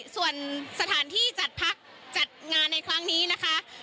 ส่วนสถานที่จัดพักจัดงานในครั้งนี้นะคะ